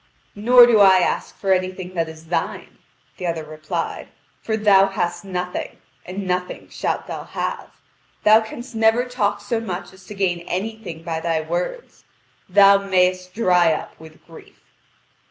"Nor do I ask for anything that is thine," the other replied; "for thou hast nothing, and nothing shalt thou have. Thou canst never talk so much as to gain anything by thy words. Thou mayest dry up with grief."